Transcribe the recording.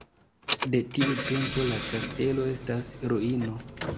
De tiu tempo la kastelo estas ruino.